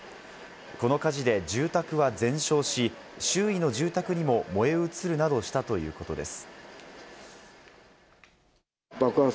この火事で住宅は全焼し、周囲の住宅にも燃え移るなどしたということです。